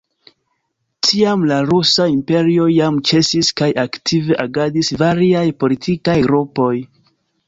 Tiam la Rusa Imperio jam ĉesis kaj aktive agadis variaj politikaj grupoj.